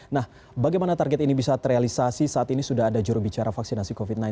nah bagaimana target ini bisa terrealisasi saat ini sudah ada jurubicara vaksinasi covid sembilan belas